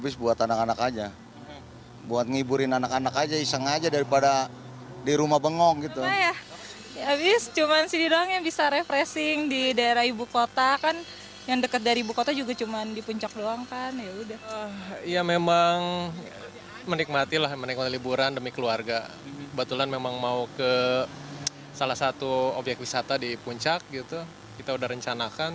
salah satu obyek wisata di puncak kita sudah rencanakan